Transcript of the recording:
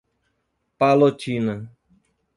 Palotina